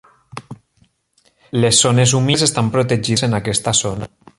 Les zones humides estan protegides en aquesta zona.